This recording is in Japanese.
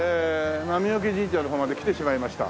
波除神社の方まで来てしまいました。